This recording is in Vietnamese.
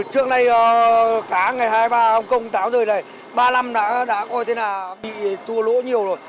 trước nay cá ngày hai mươi ba ông công ông táo trời này ba năm đã coi thế nào bị tua lỗ nhiều rồi